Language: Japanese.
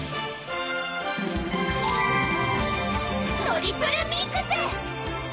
トリプルミックス！